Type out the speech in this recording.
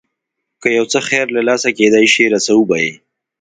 که یو څه خیر له لاسه کېدای شي رسوو به یې.